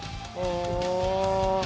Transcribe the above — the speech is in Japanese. お。